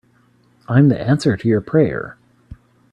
I'm the answer to your prayer.